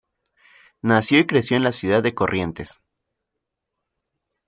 Nació y creció en la ciudad de Corrientes.